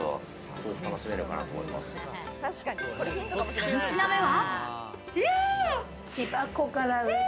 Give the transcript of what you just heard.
３品目は。